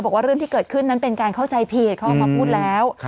เรื่องที่เกิดขึ้นนั้นเป็นการเข้าใจผิดเขาออกมาพูดแล้ว